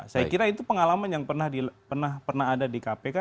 saya kira itu pengalaman yang pernah ada di kpk